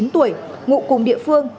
bảy mươi chín tuổi ngụ cùng địa phương